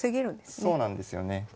そうなんですよね。